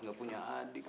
gak punya adik